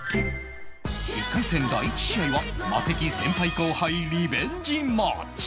１回戦第１試合はマセキ先輩後輩リベンジマッチ